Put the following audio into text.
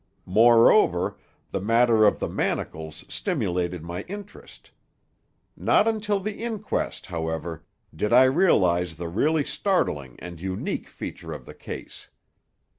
Moreover, the matter of the manacles stimulated my interest. Not until the inquest, however, did I realize the really startling and unique feature of the case.